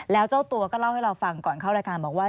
แล้วเจ้าตัวก็เล่าให้เราฟังก่อนเข้ารายการบอกว่า